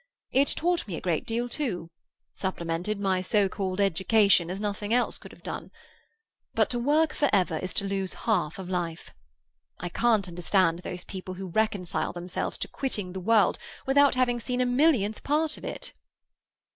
It taught me a great deal, too; supplemented my so called education as nothing else could have done. But to work for ever is to lose half of life. I can't understand those people who reconcile themselves to quitting the world without having seen a millionth part of it."